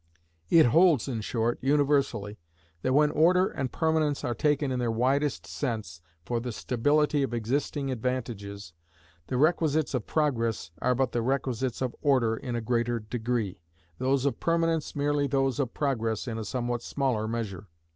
It holds, in short, universally, that when Order and Permanence are taken in their widest sense for the stability of existing advantages, the requisites of Progress are but the requisites of Order in a greater degree; those of Permanence merely those of Progress in a somewhat smaller measure.